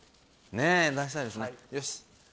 出したいですね。